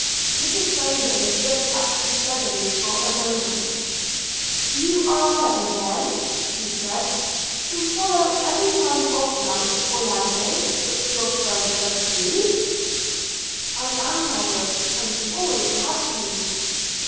Mrs Rayland looked at him steadily for a moment – 'You are ready then,' said she, 'to follow any line of life, Orlando, which your friends approve?' 'I am, Madam; and always have been.'